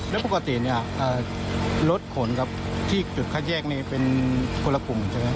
แล้วปกติเนี่ยรถขนกับที่จุดคัดแยกนี่เป็นคนละกลุ่มใช่ไหม